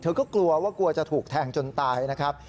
ก็กลัวว่ากลัวจะถูกแทงจนตายนะครับ